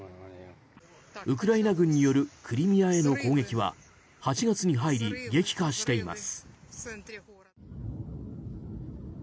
ウクライナ軍によるクリミアへの攻撃は８月に入り、激化しています。